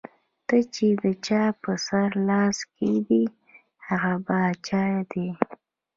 ته چې د چا پۀ سر لاس کېږدې ـ هغه باچا دے ـ